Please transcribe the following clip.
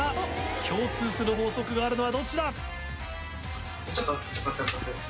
共通する法則があるのはどっちだ？